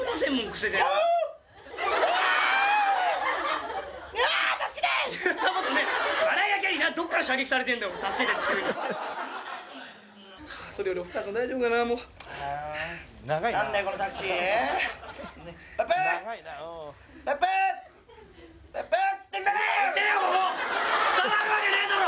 伝わるわけねえだろ！